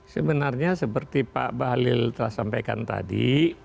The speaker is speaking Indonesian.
sebenarnya seperti pak bahlil telah sampaikan tadi